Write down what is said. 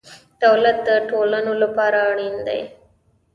دولت د ټولنو لپاره اړین دی.